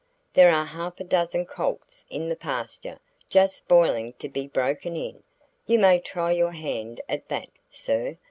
There are half a dozen colts in the pasture just spoiling to be broken in; you may try your hand at that, sir.